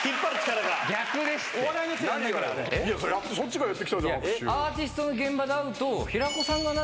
そっちがやってきたじゃん。